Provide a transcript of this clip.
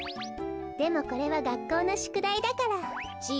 でもこれはがっこうのしゅくだいだから。ちぃ